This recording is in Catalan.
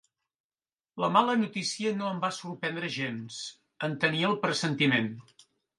La mala notícia no em va sorprendre gens: en tenia el pressentiment.